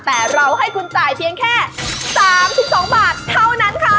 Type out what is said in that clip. แต่เราให้คุณจ่ายเพียงแค่๓๒บาทเท่านั้นค่ะ